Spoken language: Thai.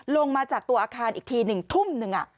ลงมาจากตัวอาคารอีกที๑ทุ่มนึง